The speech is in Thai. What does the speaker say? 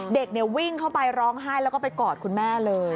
เด็กวิ่งเข้าไปร้องไห้แล้วก็ไปกอดคุณแม่เลย